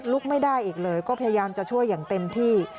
ไม่ได้อีกเลยก็พยายามจะช่วยอย่างเต็มที่